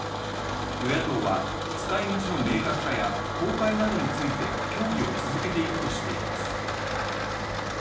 与野党は使いみちの明確化や、公開などについて協議を続けていくとしています。